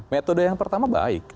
metode yang pertama baik